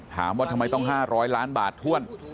ถามว่าทำไมต้อง๕๐๐ล้านบาทถ้วน